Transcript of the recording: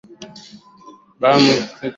bam ameweka bayana nchi yake